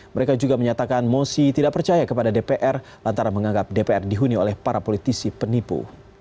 mereka juga menyatakan mosi tidak percaya kepada dpr lantaran menganggap dpr dihuni oleh para politisi penipu